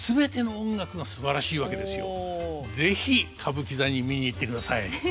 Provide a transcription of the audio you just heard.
でも是非歌舞伎座に見に行ってください。